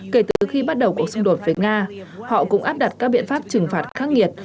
kể từ khi bắt đầu cuộc xung đột với nga họ cũng áp đặt các biện pháp trừng phạt khắc nghiệt